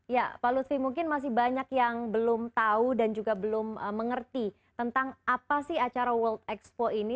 ya pak lutfi mungkin masih banyak yang belum tahu dan juga belum mengerti tentang apa sih acara world expo ini